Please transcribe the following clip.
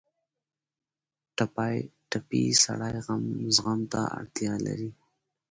ټپي سړی زغم ته اړتیا لري.